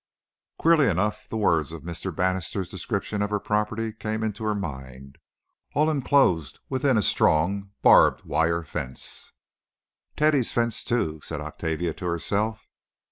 Queerly enough the words of Mr. Bannister's description of her property came into her mind—"all inclosed within a strong barbed wire fence." "Teddy's fenced, too," said Octavia to herself.